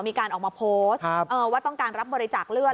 มีการออกมาโพสต์ว่าต้องการรับบริจาคเลือด